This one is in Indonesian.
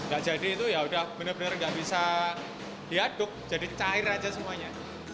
gak jadi itu ya udah bener bener nggak bisa diaduk jadi cair aja semuanya